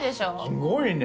すごいね！